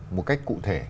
một cách cụ thể